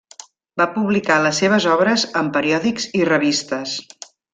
Va publicar les seves obres en periòdics i revistes.